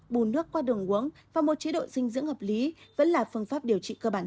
bùn nước qua đường uống và một chế độ dinh dưỡng hợp lý vẫn là phương pháp điều trị cơ bản nhất